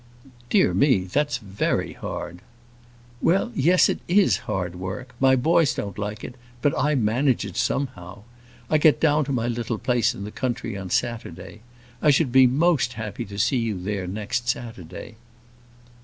"Dear me! that's very hard." "Well, yes it is hard work. My boys don't like it; but I manage it somehow. I get down to my little place in the country on Saturday. I shall be most happy to see you there next Saturday."